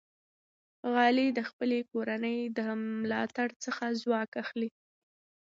غابي د خپل کورنۍ د ملاتړ څخه ځواک اخلي.